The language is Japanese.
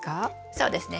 そうですね。